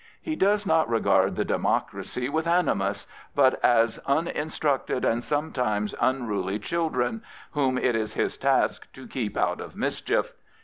He does not regard the democracy with anijpus, but as uninstructed and sometimes unruly children, whom it is his task to keep out of mischief.